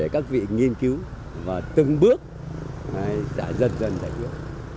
cứu và từng bước dần dần giải quyết